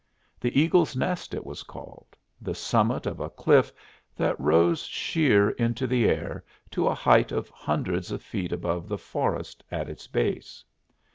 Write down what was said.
The Eagle's Nest, it was called the summit of a cliff that rose sheer into the air to a height of hundreds of feet above the forest at its base.